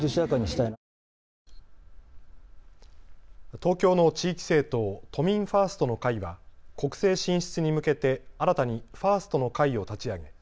東京の地域政党、都民ファーストの会は国政進出に向けて新たにファーストの会を立ち上げ